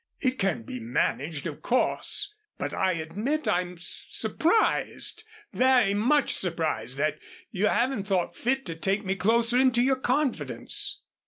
"It can be managed, of course, but I admit I'm surprised very much surprised that you haven't thought fit to take me closer into your confidence."